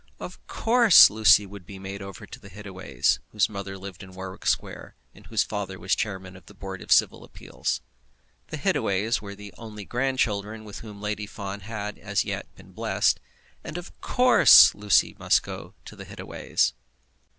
Of course Lucy would be made over to the Hittaways, whose mother lived in Warwick Square, and whose father was Chairman of the Board of Civil Appeals. The Hittaways were the only grandchildren with whom Lady Fawn had as yet been blessed, and of course Lucy must go to the Hittaways.